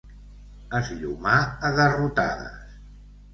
Esllomar a garrotades.